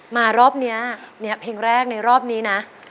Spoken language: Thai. มารอบนี้เนี่ยเพลงแรกในรอบนี้นะ